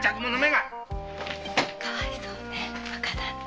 かわいそうね若旦那。